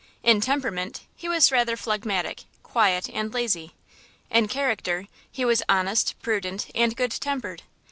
In temperament he was rather phlegmatic, quiet and lazy. In character, he was honest, prudent and good tempered.